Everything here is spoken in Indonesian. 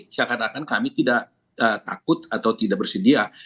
seakan akan kami tidak takut atau tidak bersedia